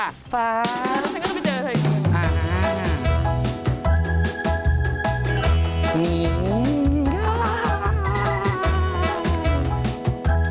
ก็ต้องไปเจอเธออีก